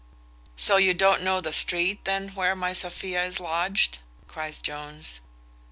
"So you don't know the street then where my Sophia is lodged?" cries Jones.